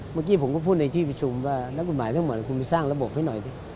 เมื่อกี้ผมก็พูดในที่ประชุมว่านักกฎหมายทั้งหมดคุณไปสร้างระบบให้หน่อยสิ